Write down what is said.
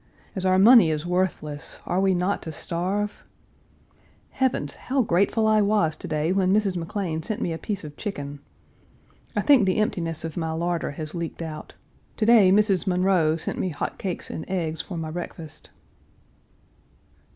As our money is worthless, are we not to starve? Heavens! how grateful I was to day when Mrs. McLean sent me a piece of chicken. I think the emptiness of my larder has leaked out. To day Mrs. Munroe sent me hot cakes and eggs for my breakfast.